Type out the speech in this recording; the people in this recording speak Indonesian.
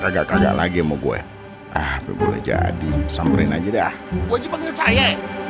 kagak kagak lagi mau gue ah boleh jadi samperin aja dah gue coba nge saya